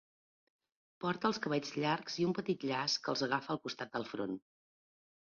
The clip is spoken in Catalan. Porta els cabells llargs i un petit llaç que els agafa al costat del front.